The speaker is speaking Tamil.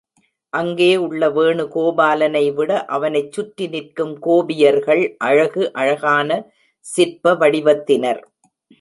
அங்கே உள்ள வேணுகோபாலனை விட அவனைச் சுற்றி நிற்கும் கோபியர்கள் அழகு அழகான சிற்ப வடிவத்தினர்.